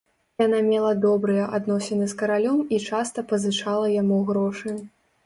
Яна мела добрыя адносіны з каралём і часта пазычала яму грошы.